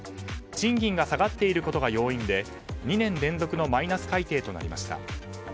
賃金が下がっていることが要因で２年連続のマイナス改定となりました。